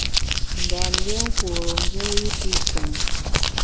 Ndam lié nkure mbu i pi kèn.